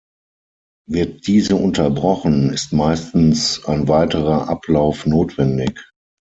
Wird diese unterbrochen, ist meistens ein weiterer Ablauf notwendig.